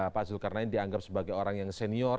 pak zulkarnain dianggap sebagai orang yang senior